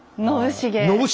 信繁！